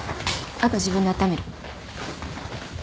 あと自分であっためる。